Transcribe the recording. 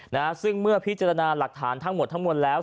นะฮะซึ่งเมื่อพิจารณาหลักฐานทั้งหมดทั้งมวลแล้ว